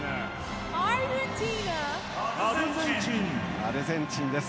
アルゼンチンです。